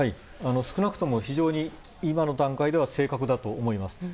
少なくとも非常に今の段階では正確だと思います。